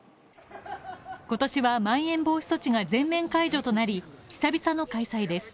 今年はまん延防止措置が全面解除となり、久々の開催です。